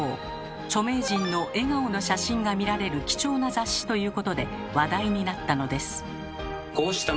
著名人の笑顔の写真が見られる貴重な雑誌ということで話題になったのです。